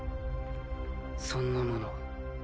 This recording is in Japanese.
そんなもの